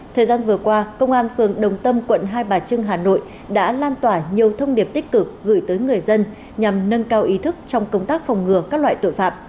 thời gian vừa qua công an phường đồng tâm quận hai bà trưng hà nội đã lan tỏa nhiều thông điệp tích cực gửi tới người dân nhằm nâng cao ý thức trong công tác phòng ngừa các loại tội phạm